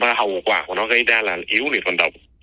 và hậu quả của nó gây ra là yếu liệt vận động